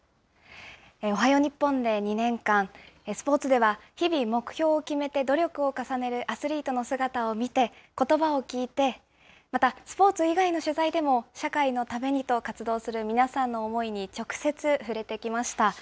おはよう日本で２年間、スポーツでは、日々目標を決めて努力を重ねるアスリートの姿を見て、ことばを聞いて、またスポーツ以外の取材でも、社会のためにと活動する皆さんの思いに直接触れてきました。